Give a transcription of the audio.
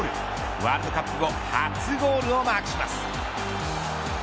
ワールドカップ後初ゴールをマークします。